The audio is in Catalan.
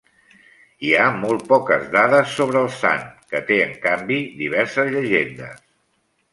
Hi ha molt poques dades sobre el sant, que té, en canvi, diverses llegendes.